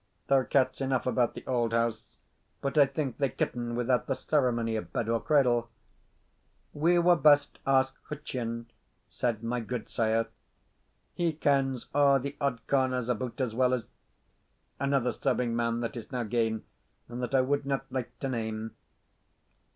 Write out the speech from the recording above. There are cats enough about the old house, but I think they kitten without the ceremony of bed or cradle." "We were best ask Hutcheon," said my gudesire; "he kens a' the odd corners about as weel as another serving man that is now gane, and that I wad not like to name."